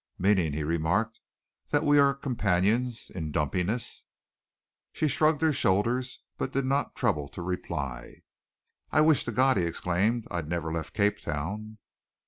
"Meaning," he remarked, "that we are companions in dumpiness?" She shrugged her shoulders, but did not trouble to reply. "I wish to God," he exclaimed, "I'd never left Cape Town!"